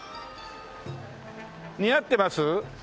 似合ってます？